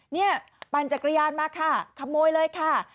นี่ปั่นจักรยานมาค่ะขโมยเลยค่ะ